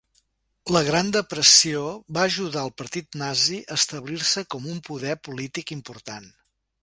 La Gran Depressió va ajudar el Partit Nazi a establir-se com un poder polític important.